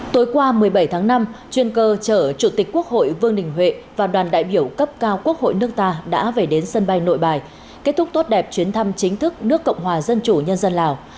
tối qua một mươi bảy tháng năm chuyên cơ chở chủ tịch quốc hội vương đình huệ và đoàn đại biểu cấp cao quốc hội nước ta đã về đến sân bay nội bài kết thúc tốt đẹp chuyến thăm chính thức nước cộng hòa dân chủ nhân dân lào